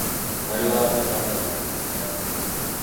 Waliwo abazaazi abakulu ddala.